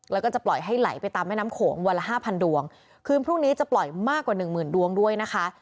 แล้วก็จะปล่อยให้ไหลไปตามแม่น้ำโขงวันละห้าพันดวงคืนพรุ่งนี้จะปล่อยมากกว่าหนึ่งหมื่นดวงด้วยนะคะ